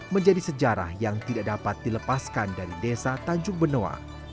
menjadi sejarah yang tidak dapat dilepaskan dari desa tanjung benoa